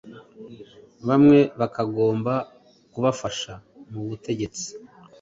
Bamwe bakagomba kubafasha mu butegetsi